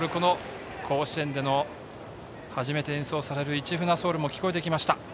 甲子園での初めて演奏される「市船ｓｏｕｌ」も聞こえてきました。